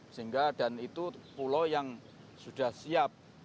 sehingga dan itu pulau yang sudah siap